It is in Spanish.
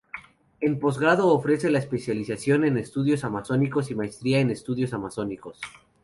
En posgrado, ofrece la Especialización en Estudios Amazónicos y Maestría en Estudios Amazónicos.